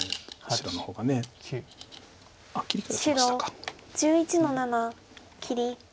白１１の七切り。